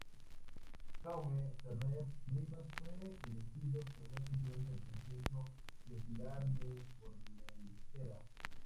Jaume Ferrer Ribas fue elegido primer presidente del Consejo Insular de Formentera.